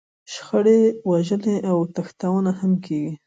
شخړې، وژنې او تښتونه هم کېږي.